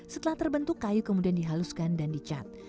setelah terbentuk kayu kemudian dihaluskan dan dicat